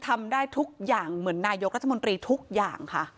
ทำได้ทุกอย่างเหมือนนายกรัฐมนตรีทุกอย่างค่ะ